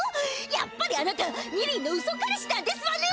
やっぱりあなたニリンのウソ彼氏なんですわね？